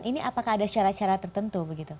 ini apakah ada secara secara tertentu